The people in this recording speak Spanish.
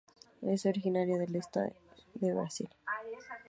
Es originario del este de Brasil.